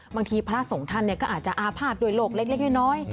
บางทีพระศงท่านเนี่ยก็อาจจะอาภาษณ์โดยโรคเล็กน้อย